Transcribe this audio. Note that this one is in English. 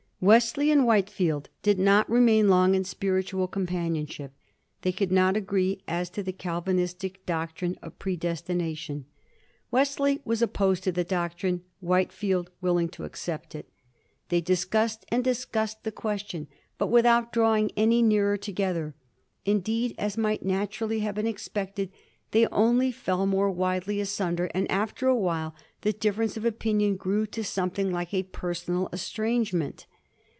Wesley and Whitefield did not remain long in spiritual companionship. They could not agree as to the Calvinis tic doctrine of predestination Wesley was opposed to 140 ^ HISTORY OF THE FOUR GEORGES. ch. xxz. the doctrine; Whitefield willing, to accept it. They dis cassed and discassed the question, bat without drawing any nearer together. Indeed, as might naturally have been expected, they only fell more widely asunder, and after a while the difference of opinion grew to something like a personal estrangement.